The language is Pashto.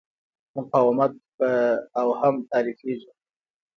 مقاومت په اوهم تعریفېږي.